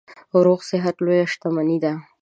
روغ صحت لویه شتنمي ده.